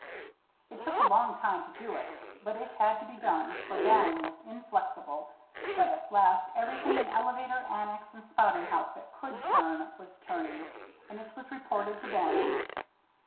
It took a long time to do it, but it had to be done, for Bannon was inflexible, but at last everything in elevator, annex, and spouting house that could turn was turning, and it was reported to Bannon.